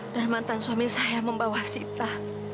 dan mantan suami saya membawa sita